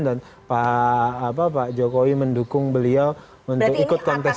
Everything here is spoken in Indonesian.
dan pak jokowi mendukung beliau untuk ikut kestrasi